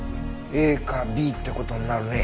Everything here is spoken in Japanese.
ＡかＢって事になるね。